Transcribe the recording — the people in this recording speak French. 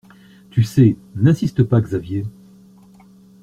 Tu sais. N’insiste pas, Xavier.